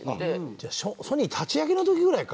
じゃあソニー立ち上げの時ぐらいかあれ。